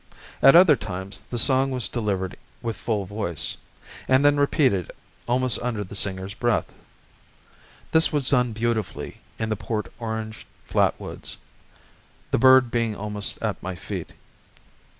At other times the song was delivered with full voice, and then repeated almost under the singer's breath. This was done beautifully in the Port Orange flat woods, the bird being almost at my feet.